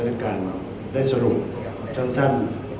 ในการได้สรุปสั้น